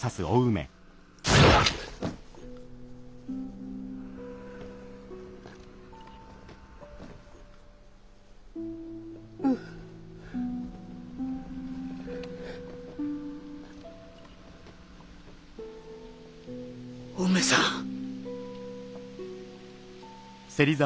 お梅さん。